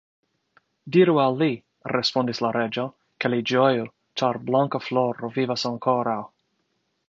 Diru al li, respondis la reĝo, ke li ĝoju, ĉar Blankafloro vivas ankoraŭ.